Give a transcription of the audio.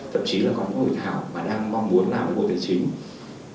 thậm chí là có những người thảo mà đang mong muốn làm một ngôi tài chính